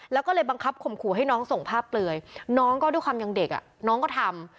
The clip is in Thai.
แล้วก็เลยบังคับข่มขู่ให้น้องส่งภาพเปลือยน้องก็ด้วยความยังเด็กน้องก็ทำ